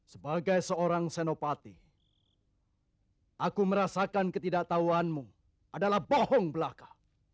sebagai seorang senopati aku merasakan ketidaktahuanmu adalah bohong belaka